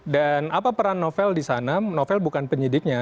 dan apa peran novel di sana novel bukan penyidiknya